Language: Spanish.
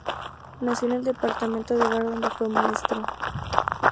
Nació en el departament de Var, donde fue maestro.